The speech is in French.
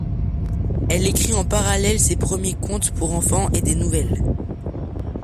Elle écrit, en parallèle, ses premiers contes pour enfants et des nouvelles.